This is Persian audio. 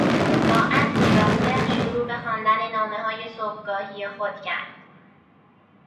با عزمی راسخ شروع به خواندن نامههای صبحگاهی خود کرد.